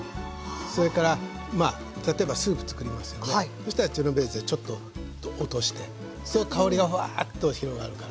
そしたらジェノベーゼちょっと落として香りがフワーッと広がるから。